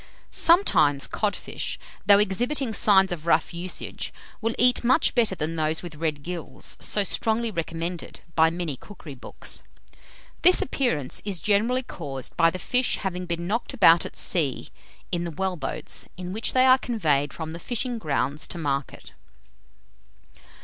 Sometimes, codfish, though exhibiting signs of rough usage, will eat much better than those with red gills, so strongly recommended by many cookery books. This appearance is generally caused by the fish having been knocked about at sea, in the well boats, in which they are conveyed from the fishing grounds to market.